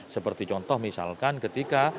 seperti contoh misalkan ketika